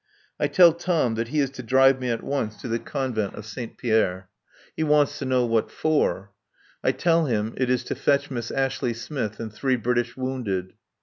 I tell Tom that he is to drive me at once to the Couvent de Saint Pierre. He wants to know what for. I tell him it is to fetch Miss Ashley Smith and three British wounded.